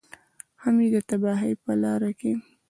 هم یې د تباهۍ په لاره کې.